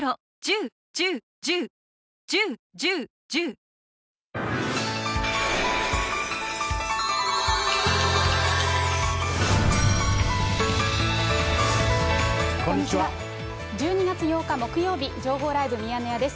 １２月８日木曜日、情報ライブミヤネ屋です。